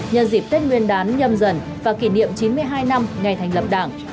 nhân dịp tết nguyên đán nhâm dần và kỷ niệm chín mươi hai năm ngày thành lập đảng